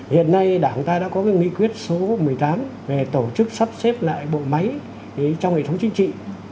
hiện nay đảng ta đã có cái nghị quyết số một mươi tám về tổ chức sắp xếp lại bộ máy trong hệ thống chính trị